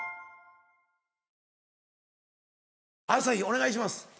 朝日お願いします。